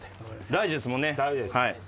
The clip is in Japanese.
大事です。